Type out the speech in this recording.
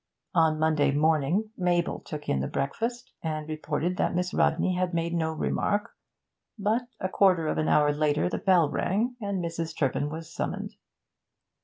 On Monday morning Mabel took in the breakfast, and reported that Miss Rodney had made no remark; but, a quarter of an hour later, the bell rang, and Mrs. Turpin was summoned.